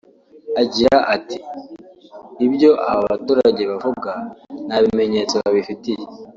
Agira ati “ibyo aba baturage bavuga nta bimenyetso babifitiye